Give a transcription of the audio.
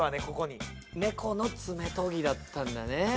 ここに猫の爪とぎだったんだね